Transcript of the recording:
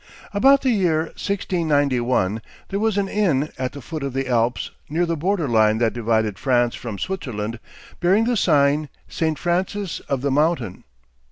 About the year 1691 there was an inn at the foot of the Alps, near the border line that divided France from Switzerland, bearing the sign, St. Francis of the Mountain.